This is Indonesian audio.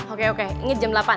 oke oke ini jam delapan